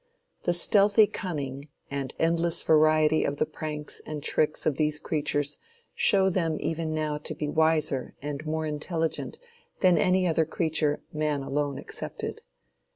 The stealthy cunning, and endless variety of the pranks and tricks of these creatures show them even now to be wiser and more intelligent than any other creature man alone excepted.